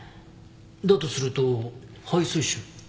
だとすると肺水腫？